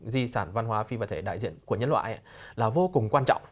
di sản văn hóa phi vật thể đại diện của nhân loại là vô cùng quan trọng